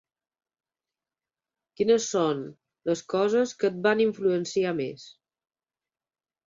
Quines són les coses que et van influenciar més?